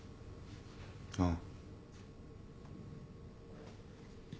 ああ。